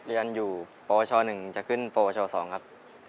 เรียนอยู่ปวช๑จะขึ้นปวช๒ครับ